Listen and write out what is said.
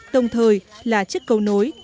đồng thời là chiếc cầu nối